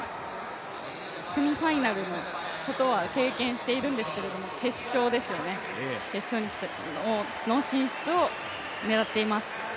セミファイナルのことは経験しているんですけども、決勝ですよね、決勝の進出を狙っています。